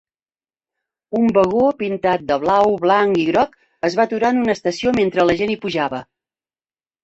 Un vagó pintat de blau, blanc i groc es va aturar en una estació mentre la gent hi pujava.